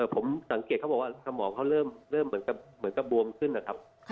ผมสังเกตเขาบอกว่าสมองเขาเริ่มเหมือนกับบวมขึ้นนะครับ